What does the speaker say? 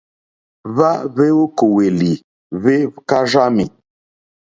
Hwa hweokoweli hwe karzami.